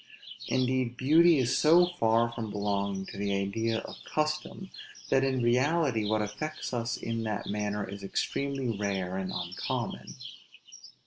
Indeed beauty is so far from belonging to the idea of custom, that in reality what affects us in that manner is extremely rare and uncommon.